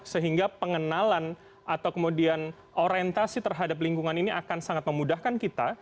sehingga pengenalan atau kemudian orientasi terhadap lingkungan ini akan sangat memudahkan kita